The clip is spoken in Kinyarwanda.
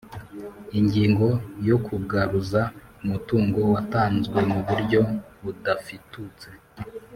Ingingo yo kugaruza umutungo watanzwemuburyo budafitutse